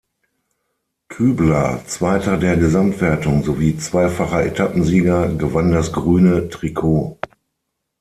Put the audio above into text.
Kübler, Zweiter der Gesamtwertung sowie zweifacher Etappensieger, gewann das grüne Trikot.